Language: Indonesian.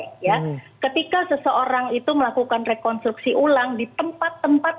nah ketika seseorang itu melakukan rekonstruksi ulang di tempat tempat